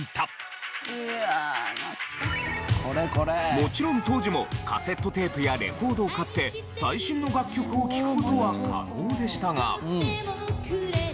もちろん当時もカセットテープやレコードを買って最新の楽曲を聴く事は可能でしたが。